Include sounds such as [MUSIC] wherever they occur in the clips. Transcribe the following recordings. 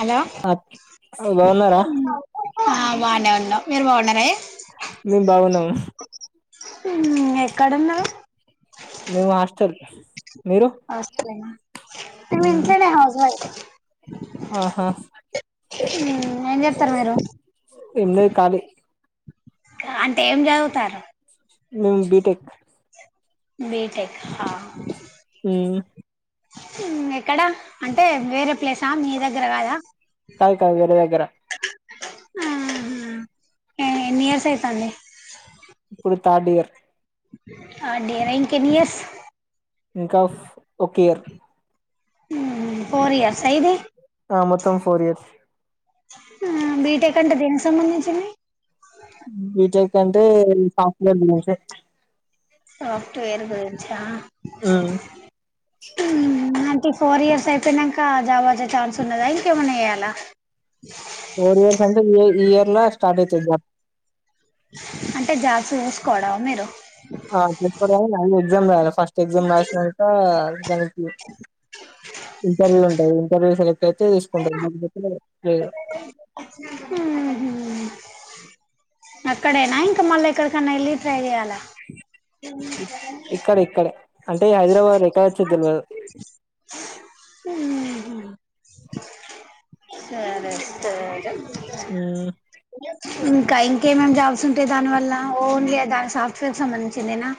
Hello! బాగున్నారా ఆ బాగనే ఉన్నాం. మీరు బాగున్నరే. మేం బాగున్నాము. ఊ ఎక్కడున్నరు. మేము హాస్టల్. మీరు హాస్టలేనా మేము మ్మ్. ఇంట్లోనే హౌస్ వైఫ్. ఆహా! ఏం చెప్తారు మీరు ఏం లేదు ఖాళి. అంటే ఏం చదువుతారు. మేము బీటెక్. బీటెక్క్ మ్మ్. ఉం ఎక్కడా అంటే వేరే ప్లేసా మీ దగ్గర కాదా. కాదు కాదు వేరే దగ్గర ఆహ్ము ఎన్నియర్స్ అయితాంది. ఇప్పుడు థార్డ్ ఇయర్. ఆ డియరా ఇంకెన్నియర్స్ ఇంకా ఉఫ్ ఒక్కియర్. ఉం ఫోర్ ఇయర్. సా ఇదీ. ఆ మొత్తం ఫోర్ ఇయర్స్ ఉం బీటెక్ అంటే దేనికి సంబంధించింది. బీటెక్ అంటే ఈ సాఫ్ట్వేర్ బిజినెస్సే. సాఫ్ట్వేర్ గురించా. ఆ టీ ఫోర్ ఇయర్స్ అయిపోయినంకా జాబ్ వచ్చే ఛాన్స్ ఉన్నదా ఇంకేమన్నా చెయ్యాలా. ఫోర్ ఇయర్స్ అంటే ఇ ఈ ఇయర్లా స్టార్ట్ అయితది జాబ్. అంటే జాబ్స్ చూసుకోవడమా మీరు. ఆ చూసుకోవాలి గానీ ఇగ ముందు ఎగ్జామ్ రాయాల ఫస్ట్ ఎగ్జామ్ రాసినంకా దానికి ఇంటర్వ్యూ ఉంటది. ఇంటర్వ్యూ సెలెక్ట్ అయితే తీసుకుంటరు. [UNINTELLIGIBLE] ఊహూ అక్కడేనా ఇంకా మళ్ళా ఎక్కడికన్నా ఎళ్ళి ట్రై చెయ్యాలా. ఇక్ ఇక్కడే ఇక్కడే అంటే ఈ హైదరాబాద్ లే ఉమ్మ్ సరే సరే ఊ ఇంకా ఇంకేంమేం జాబ్స్ ఉంటాయి దానివల్లా. ఓన్లీ అ దాని సాఫ్ట్వేర్ కి సంబంధించిందేనా.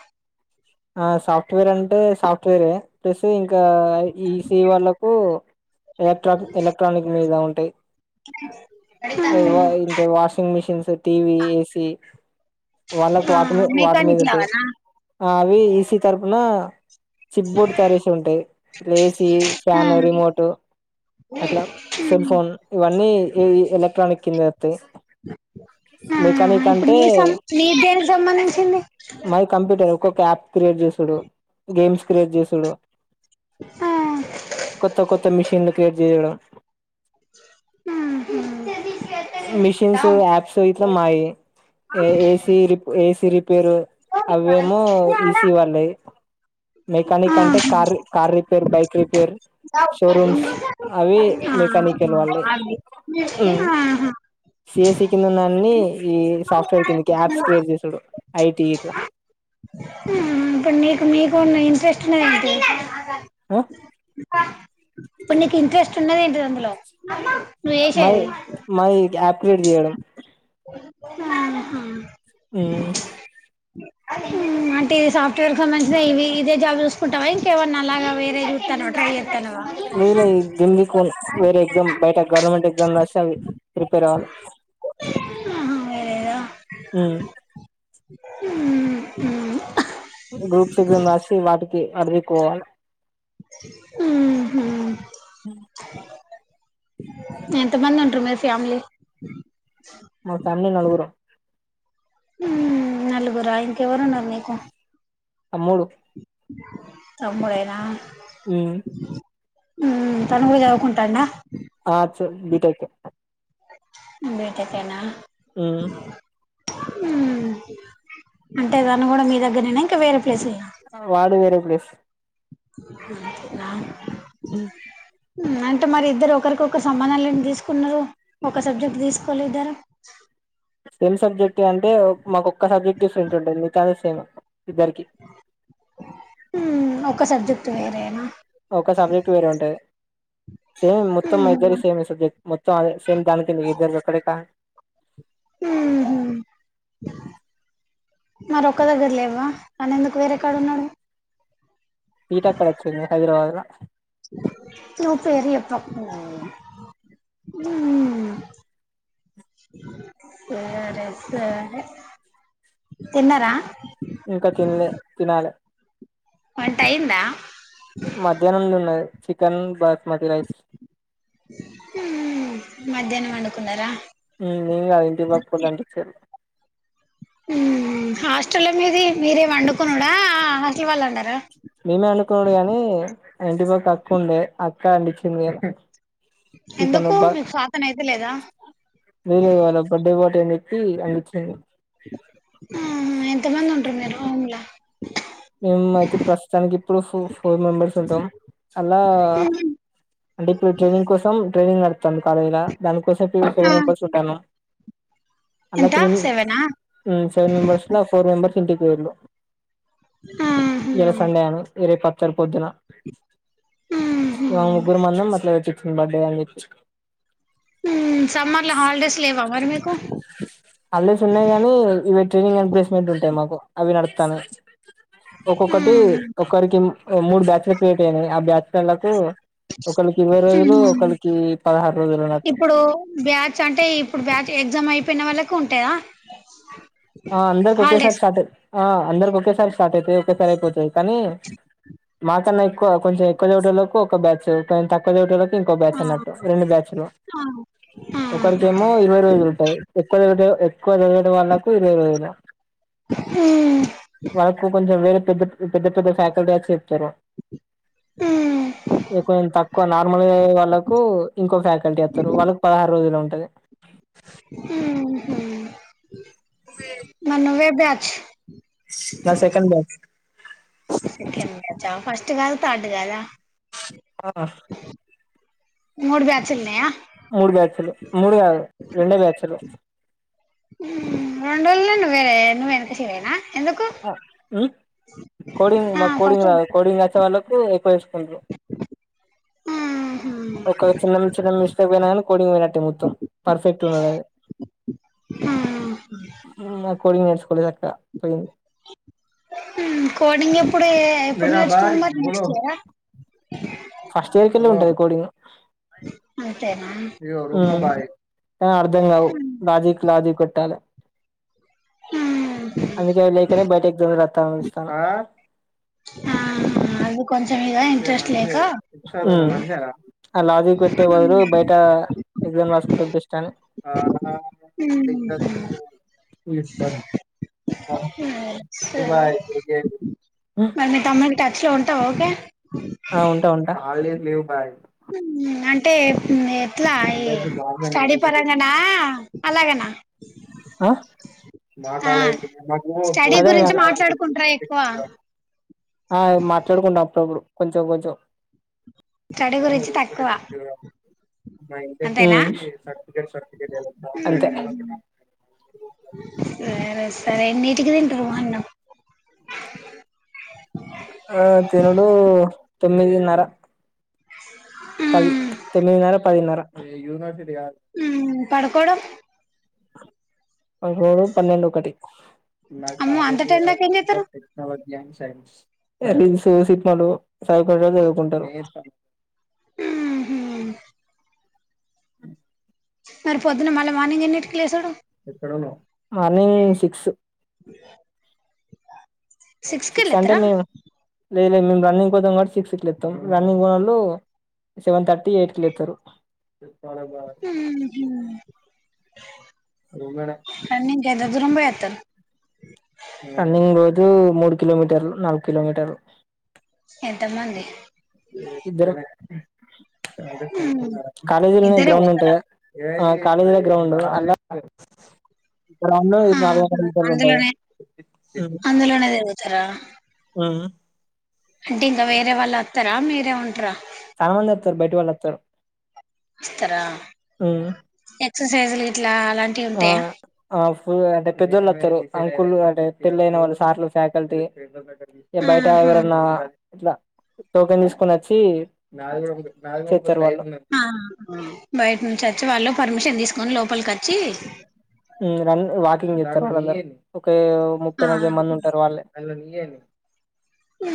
ఆ సాఫ్ట్వేర్ అంటే సాఫ్ట్వేరే ప్లస్సు ఇంక కా ఈ సీవాళ్ళకూ. ఎలక్ట్రాఫిక్, ఎలక్ట్రానిక్ మీదా ఉంటాయి. అ ఇవ్వా ఇంట్లో వాషింగ్ మిషిన్స్, టీవీ, ఏసీ వాళ్ళకు వాటి ఆ మీద వాటి మీద మెకానిక్ ఉంటయీ. లాగానా ఆ అవ్వీ ఈసీ తరపునా చిప్ బోర్డు తయారు చేశేవి ఉంటయి. ఇట్ల ఏసీ, ఆ ఫ్యాను, రిమోటూ. అట్లా సెల్ ఫోన్ ఇవన్నీ ఎలక్ట్రానిక్ త ఆ మెకానిక్ ఇప్పుడు అంటే నీ సం నీ దేనికి సంబంధించింది మాది కంప్యూటర్ ఒ అప్ క్రియేట్ చేసూడు గేమ్స్ క్రియేట్ చేసుడు కొత్త కొత్త మిషన్లు క్రియేట్ చేయడం [INAUDIBLE] మిషిన్స్ ఆ యాప్స్ ఇట్లా మాయి ఏ ఏసీ రి ఏసీ రిపేరు అవేమో ఈసీ వాళ్ళవి మెకానిక్ అంటే ఆహా car car repair bike repair ఆహా, షోరూమ్స్ అవి మెకానికల్ వాళ్ళయి ఆహా. సిఎసి కింద ఉన్నన్ని ఈ సాఫ్ట్వేర్ కిందకి యాప్స్ క్రియేట్ చేసుడు ఐటీ ఇట్లా నీకు మీకు ఇంట్రెస్ట్ ఉన్నది ఏంటిది ఇప్పుడు నీకు ఇంట్రెస్ట్ ఉన్నడి ఏంటిది అందులో నువ్వు మాది చేసేది మరి అప్ క్రియేట్ చేయడం ఆహా ఆ అంటే ఇది సాఫ్ట్వేర్ సంబంధించిన ఇవి ఇదే జాబ్ చూసుకుంటావా ఇంకేవన్నా అలాగా వేరే [UNINTELLIGIBLE] లే లేదు వేరే ఎగ్జామ్ బయట గవర్నమెంట్ ఎగ్జామ్ రాస్తా ప్రిపేర్ కాలే ఆహా వేరేదా హు గ్రూప్స్ ఎగ్జామ్స్ రాసి వాటికి అటు దిక్కు పోవాలి ఆ హ ఎంత మంది ఉంటరూ మరి ఫ్యామిలీ మా ఫ్యామిలీ నలుగురాం ఆ నలుగురా ఇంక ఎవరు ఉన్నారు మీకు తమ్ముడు తమ్ముడేనా ఉమ్ తను కూడా చదువుకుంటాండా ఆ చ బి టెక్ హే బీటెక్ హే నా ఆ హ అంటే తను కూడా మీ దగ్గరనేనా ఇంకా వేరే ప్లేస్ ఆ వాడు వేరే ప్లేస్ అ అంటే మరి ఇద్దరు ఒకరికి ఒకరు సంబంధం లేనట్టు తీసుకున్నారు ఒక సబ్జెక్ట్ తీసుకోలేదు ఇద్దరు సేమ్ సబ్జెక్ట్ అంటే మాకోక్క సబ్జెక్ట్ డిఫరెంట్ ఉంటుంది మిగతా అంత సేమ్ హే హ ఒక సబ్జెక్ట్ వేరే ఒక సబ్జెక్ట్ వేరే ఉంటది సేమ్ మొత్తం మా మ్మ్ ఇద్దరి సేమ్ సబ్జెక్ట్ మొత్తం అ సేమ్ దానికి ఇద్దరు ఒక్కటె కా హ్మ్ మరీ ఒక్క దగ్గర లేవా తను ఎందుకు వేరేకాడ ఉన్నాడు సీట్ అక్కడ వచ్చింది హైదరాబాద్లా నువ్వు పేరు చెప్పకు ఊ సరే సరే తిన్నారా ఇంకా తినలే తినాల వంటయిందా మధ్యాహ్నంలోన్నది చికెన్ బర్ మట్టన్ రైస్ మధ్యాహ్నం వండుకున్నారా ఈ మిలా ఇంటి పక్కోళ్ళు అంటించారు హమ్ హాస్టల్ మీది మీరే వండుకున్నాడా హాస్టలు వాళ్ళు వండారా మేమే అనుకునుడు గాని ఇంటి పక్కన అక్క ఉంది అక్క వండించింది ఎందుకు మీకు స్వాతన అయిత లేదా లేదు వాళ్ళ బర్త్డే పార్టీ అని చెప్పి వండించింది ఉమ్ ఎంత మంది ఉంటారు మీ రూమ్ లా మేము అయితే ప్రస్తుతానికి ఇప్పుడు ప్రూఫ్ ఫ్ ఫోర్ మెంబెర్స్ ఉంటాం అలా అంటే ఇప్పుడు ట్రైనింగ్ కోసం ట్రైనింగ్ నడుస్తోంది కాలేజ్ లో దానికోసం రూమ్ కి ఫోర్ మెంబర్స్ వుంటాన్నం అలా ఎంత త్రీం సెవెనా ఉమ్ సెవెన్ మెంబెర్స్ లో ఫోర్ మెంబర్స్ ఇంటికి పోయున్నాం ఇయాల సండే అని వేరే ప వచ్చారు పొద్దున ఇవాళ ముగ్గురు మల్ల మధ్యాహ్నం వచి ఈ మధ్యాహ్నం ఉమ్ స హాలిడేస్ ఉన్నాయి గానీ ఇవి ట్రైనింగ్ అండ్ ప్లేస్మెంట్ ఉంటాయి మాకు అవి నడస్తాన్నాయి ఒక్కొక్కటి ఒకరికి మూడు బ్యాచ్ లే క్రియేట్ అయినాయి ఆ బ్యాచ్ లోలకు ఒకళ్ళకి ఇరవై రోజులు ఒకళ్ళకి పదహారు రోజులు ఉన్నట్టు అట్టా ఎగ్జామ్ అయిపోయిన వాళ్ళకు ఉంటాయా ఆ అందరిక ఒకేసారి హాలిడేస్ స్టార్ట్ అ ఆ అందరికి ఒకేసారి స్టార్ట్ అయితాయి ఒకేసారి అయిపోతాయి అనీ మాకన్నా ఎక్కువ కొంచెం ఎక్కువ చదివేటోళ్లకు ఒక బ్యాచ్ కొంచం తక్కువ చదివేటోళ్లకు ఇంకో బ్యాచ్ ఆ అన్నట్టు రెండు బ్యాచ్లు ఆ ఒకరికేమో ఇరవై రోజులు ఉంటాయి ఎక్కువ ఎక్కువ చదివిన వాళ్ళకు ఇరవై వేలు వాళ్ళకు కొంచెం రే పెద్ద పెద్ద పెద్ద ఫాకల్టీ వాళ్ళు చెప్తారు కొంచెం తక్కువ నార్మల్ వాళ్ళకు ఇంకో ఫ్యాకల్టీ వేస్తారు వాళ్ళకి పదహారు రోజులు ఉంట అదే ఉహు మరి నువ్వే బ్యాచ్ నాది సెకండ్ బ్యాచ్ చ ఫస్ట్ కాదా థర్డ్ కాదా ఆ మూడ్ బ్యాచులున్నాయా మూడు బ్యాచ్లు మూడు కాదు రెండే బ్యాచ్లు రెండేళ్ళ నువ్వే నువ్వ క చేరేనా ఊ కోడింగ్ ఆ మా ఫస్ట్ కోడింగ్ రాదు కోడింగ్ వచ్చే వాళ్ళ ఉ ఉపయోగుంచుకుంటు ఆహా ఒక చిన్న చిన్న మిస్టేక్ పోయినా కానీ కోడింగ్ పోయినట్టే మొత్తం పర్ఫెక్ట్ ఉండా ఆ కోడి మినస్కు త [UNINTELLIGIBLE] ఉ కోడింగ్ ఎప్పుడు ఇప్పుడే ఎప్పుడు నేర్చుకుంటవ్ నెక్స్ట్ ఇయరా ఫస్ట్ ఇయర్ కళ్లి ఉంటది కోడింగ్ అంతేనా ఉ ఆ అర్ధం కావు లాజీక్ లాజీక్ కొట్టాలె అందుకే లేకనే బయటకు తిరగడం స్త [UNINTELLIGIBLE] ఆహా అది కొంచెం ఇక మంచిే ఇంట్రెస్ట్ లేక మజేష మనా [UNINTELLIGIBLE] ఆ లాజీక్ పెట్టే బదులు బయట ఎగ్జామ్ రాసుడు బెస్ట్ అని కా ఉే [UNINTELLIGIBLE] సరే మరి మీ తమ్మునికి టచ్ లో ఉంటావు ఓకే ఆ ఉంటా ఉంటా అంటే అట్లా ఏ స్టడీ పరంగనా అలాగనా ఆ మా ఆ కాలకు స్టడీ గురించి మాట్లాడుకుంటారా ఎక్కువ [UNINTELLIGIBLE] ఆ మాట్లాడుకుంటా వత్తం ఇప్పుడు కొంచెం కొంచెం స్టడీ గురించి తక్కువ ఉ అంతేనా అంతే సరరే [UNINTELLIGIBLE] సరే ఎనీటికి తింటవ్ అన్నం ఆ తినుడు తొమ్మిదిన్నర పది తొమ్మిదిన్నర పదిన్నర పడుకోడం పడుకోడం పన్నెండు ఒకటి అమ్మో అంత టైం దాకా ఏం చేస్తారు రీల్స్ సిన్మాలు చదువుకునే వాళ్లు చదువుకుంటరు ఆ అ మరి పొద్దున్న మళ్ళీ మార్నింగ్ ఎన్నింటికి లేసుడు మార్నింగ్ సిక్స్ కి సిక్స్ అంటే లేస్తారా మేము లేదు లేదు మేము రన్నింగ్ పోతాం కాబట్టి సిక్స్కి లేస్తాం రన్నింగ్ పోనోళ్ళు సెవెన్ థర్టీ ఎయిట్ కి లేతరు హ రన్నింగ్ కు ఎంత దూరం పొయి వత్తవ్ రన్నింగ్ రోజు మూడు కిలోమీటర్లు నాలుగు కిలోమీటర్లు ఎంతమంది ఇద్దరు కాలేజ్ లోనే ఇద్దరే గ్రౌండ్ పోతారా ఉంటది కద కాలేజ్ లోనే గ్రౌండ్ అ గ్రౌండ్ ఇ నలవ కమిటర్లు ఉంటాయి అందులోనే అందులోనే తిరుగుతారా ఆ అంటే ఇంకా వేరే వాళ్ళు వత్తరా మీరే ఉంటరా చాలా మంది వతరు బయట వాళ్ళు వత్తరు ఇస్తరా ఎక్ససైజులు ఇట్లా అలాంటివి ఉంటయా ఉమ్ అంటే పెద్దోళ్ళు వస్తారు అంకులు అంటే పెళ్ళయిన వాళ్ళు సార్లు ఫ్యాకల్టీ ఇగ బయట ఆహా ఎవరన్నా ఇట్లా టోకెన్ తీసుకోని వచ్చి చేస్తారు వాళ్ళు ఆ బయట నుంచి వచ్చి వాళ్ళు పర్మిషన్ తీసుకొని లోపలికి వచ్చి రన్ వాకింగ్ చెత్తరు బ్రదర్ ఉమ్ ఓ ముప్పై ఆ నలభై మంది ఉంటారు వాళ్ళే ఉ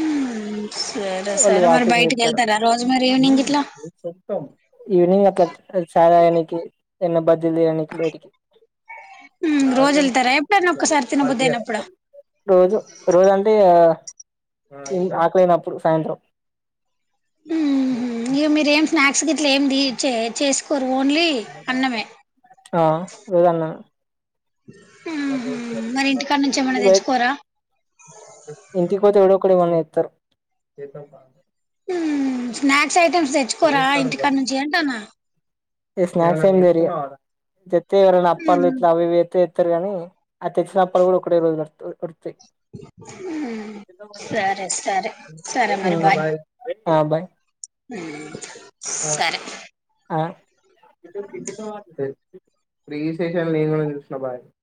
వాళ్ళు వాకింగ్ చేస్తారు రోజు మరి ఈవినింగ్ ఇట్లా ఈవినింగ్ అట్ల్ అ చాల ఎకి ఎన్న బజిలూ తిననికి పోయిటికి ఉమ్ రోజు వెలుతారా ఎప్పుడైనా ఒక్కసారి తినబొది అయినప్పుడ రోజు రోజ అంటే ఇగ ఆకలి అయినప్పుడు సాయంత్రం ఉహ్మ్ హూ ఇగ మీర ఏం స్నాక్స్ గిట్లా ఏం ది ఏ చే చేసుకోర్ ఓన్లీ అన్నమే ఆ రోజు అన్నాను [UNINTELLIGIBLE] ఉహు మరి ఇంటికాడ నుంచి ఏమైనా తెచ్చుకోరా ఇంటికి పోతే ఎవడో ఒక్కడ ఏమన్న తేస్తారు ఉమ్ స్నాక్స్ ఐటమ్స్ తెచ్చుకోరా ఇంటికాడ నుంచి అంటానా ఇంగ స్నాక్స్ ఏం లేదీగ జతే ఎవరన్నా అప్పలు ఉమ్ ఇట్ల అవి చేస్తే తరుగని ఆ తెచ్చినప్పుడు కూడా ఒకేటె రోజు లో వస్తాయి ఉమ్ సరే సరే [UNINTELLIGIBLE] ఉమ్ ఆ బాయ్ ఉమ్ సరే ఉమ్ రీ ఇన్స్టేషన్ నేన్ కూడా చూసిన బాయి